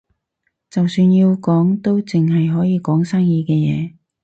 就算要講，都淨係可以講生意嘅嘢